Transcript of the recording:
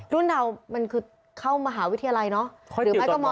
รุ่นดาวมันคือเข้ามหาวิทยาลัยเนาะ